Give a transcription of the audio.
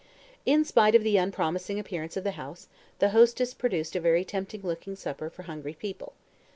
In spite of the unpromising appearance of the house, the hostess produced a very tempting looking supper for hungry people.